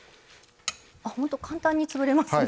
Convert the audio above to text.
あっほんと簡単に潰れますね。